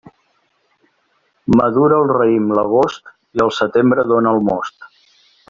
Madura el raïm l'agost, i el setembre dóna el most.